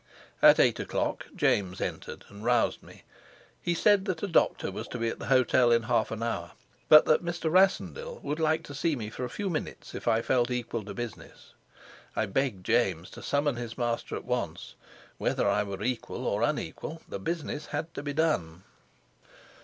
At eight o'clock James entered and roused me. He said that a doctor was to be at the hotel in half an hour, but that Mr. Rassendyll would like to see me for a few minutes if I felt equal to business. I begged James to summon his master at once. Whether I were equal or unequal, the business had to be done.